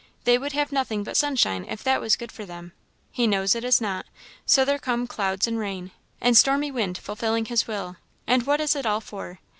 They would have nothing but sunshine if that was good for them. He knows it is not; so there come clouds and rains, and 'stormy wind fulfilling his will.' And what is it all for?